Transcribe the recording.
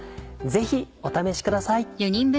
ぜひお試しください。